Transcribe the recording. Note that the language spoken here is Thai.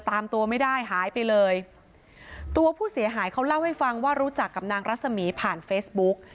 ตามตัวไม่ได้หายไปเลยตัวผู้เสียหายเขาเล่าให้ฟังว่ารู้จักกับนางรัศมีร์ผ่านเฟซบุ๊ก